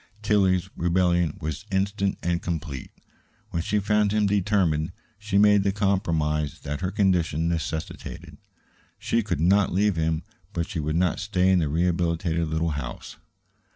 Tillie's rebellion was instant and complete. When she found him determined, she made the compromise that her condition necessitated. She could not leave him, but she would not stay in the rehabilitated little house.